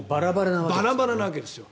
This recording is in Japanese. バラバラなわけですよ。